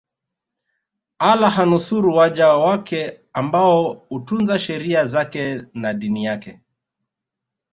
Allah hunusuru waja wake ambao utunza sheria zake na Dini yake